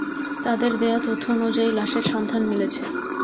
তাঁদের দেওয়া তথ্য অনুযায়ী লাশের সন্ধান মিলেছে।